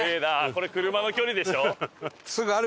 これ車の距離でしょ？